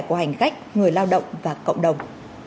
của hành khách người lao động và cộng đồng